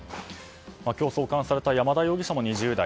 今日送還された山田容疑者も２０代。